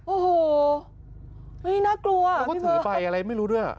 โอ้โหน่ากลัวมันก็เถอะใบอะไรไม่รู้ด้วย